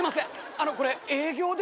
あのこれ営業ですよね？